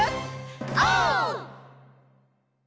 オー！